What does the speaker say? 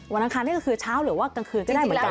อังคารนี่ก็คือเช้าหรือว่ากลางคืนก็ได้เหมือนกัน